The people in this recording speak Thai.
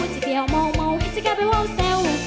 จะเตี๋ยวเมาให้จะกลายเป็นเว้าแซว